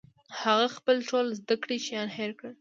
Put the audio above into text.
هغه خپل ټول زده کړي شیان هېر کړل